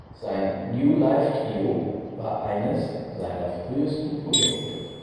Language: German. Sein "New Life Trio" war eines seiner frühesten Projekte.